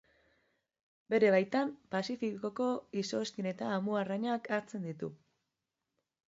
Bere baitan Pazifikoko izokin eta amuarrainak hartzen ditu.